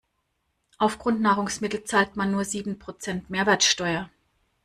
Auf Grundnahrungsmittel zahlt man nur sieben Prozent Mehrwertsteuer.